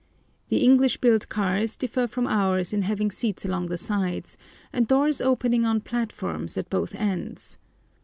The English built cars differ from ours in having seats along the sides, and doors opening on platforms at both ends.